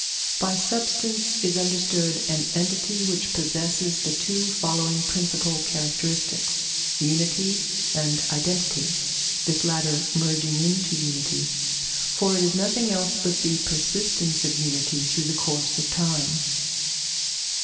By substance is understood an entity which possesses the two following principal characteristics, unity and identity, this latter merging into unity, for it is nothing else but the persistence of unity through the course of time.